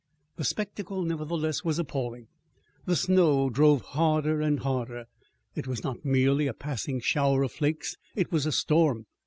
The spectacle, nevertheless, was appalling. The snow drove harder and harder. It was not merely a passing shower of flakes. It was a storm.